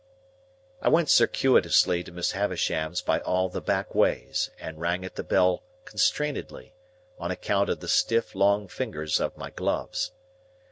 I went circuitously to Miss Havisham's by all the back ways, and rang at the bell constrainedly, on account of the stiff long fingers of my gloves.